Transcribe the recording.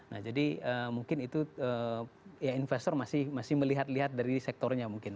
nah jadi mungkin itu ya investor masih melihat lihat dari sektornya mungkin